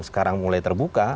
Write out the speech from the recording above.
sekarang mulai terbuka